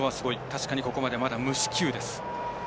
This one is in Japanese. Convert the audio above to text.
確かに、ここまでまだ無四球です。